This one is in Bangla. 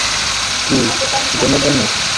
কী, জেনের জন্য?